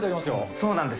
そうなんです。